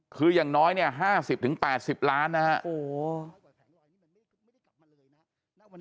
คือยังน้อย๕๐๘๐ล้านนะครับ